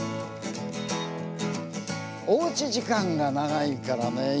おうち時間が長いからね